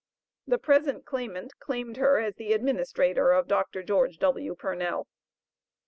The present claimant claimed her as the administrator of Dr. George W. Purnell.